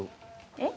えっ？